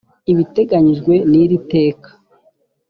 ibiteganyijwe n iri teka